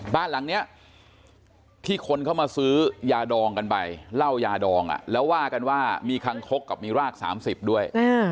บ้านหลังนี้ที่คนเข้ามาซื้อยาดองกันไปเหล้ายาดองแล้วว่ากันว่ามีคังคกกับมีราก๓๐ด้วย